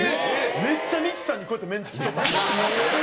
めっちゃミキさんにこうやってメンチ切っとった。